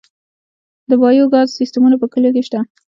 د بایو ګاز سیستمونه په کلیو کې شته؟